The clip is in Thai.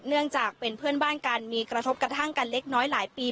เนื่องจากเป็นเพื่อนบ้านกันมีกระทบกระทั่งกันเล็กน้อยหลายปี